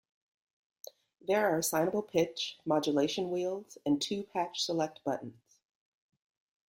There are assignable pitch, modulation wheels, and two patch select buttons.